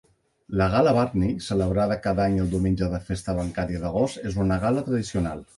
La gal·la Bardney, celebrada cada any el diumenge de festa bancària d'agost, és una gal·la tradicional.